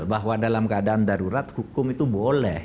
bahwa dalam keadaan darurat hukum itu boleh